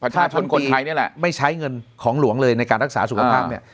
ถ้าปีไม่ใช้เงินของหลวงเลยในการรักษาสุขภาพ